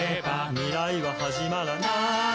「未来ははじまらない」